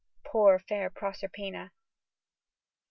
Poor, fair Proserpina!... Note.